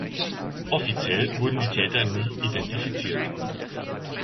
Offiziell wurden die Täter nie identifiziert.